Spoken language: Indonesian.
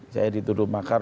saya dituduh makar